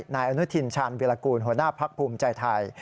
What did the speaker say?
นายอนุทินชาญวิรากูลหัวหน้าพักภูมิใจไทย